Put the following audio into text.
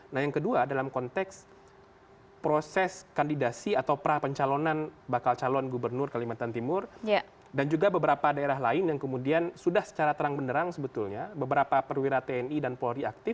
nah yang kedua dalam konteks proses kandidasi atau pra pencalonan bakal calon gubernur kalimantan timur dan juga beberapa daerah lain yang kemudian sudah secara terang benderang sebetulnya beberapa perwira tni dan polri aktif